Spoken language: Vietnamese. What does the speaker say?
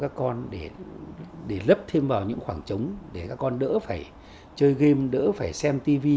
các con để lấp thêm vào những khoảng trống để các con đỡ phải chơi game đỡ phải xem tv